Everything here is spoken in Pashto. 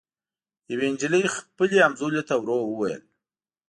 یوې نجلۍ خپلي همزولي ته ورو ووېل